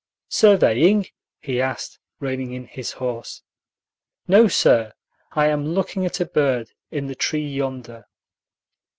"Surveying?" he asked, reining in his horse. "No, sir; I am looking at a bird in the tree yonder."